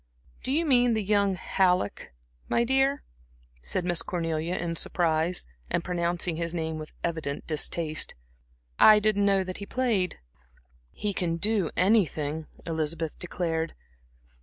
"Do you mean that young Halleck, my dear?" said Miss Cornelia in surprise, and pronouncing his name with evident distaste. "I didn't know that he played." "He can do anything," Elizabeth declared.